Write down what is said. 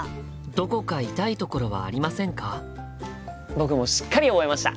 僕もしっかり覚えました！